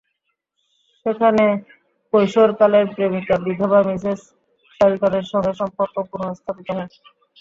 সেখানে কৈশোরকালের প্রেমিকা বিধবা মিসেস শেলটনের সঙ্গে সম্পর্ক পুনস্থাপিত হয়।